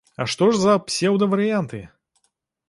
А што ж за псеўдаварыянты?